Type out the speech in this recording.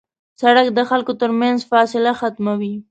سړک د خلکو تر منځ فاصله ختموي.